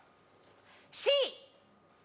Ｃ！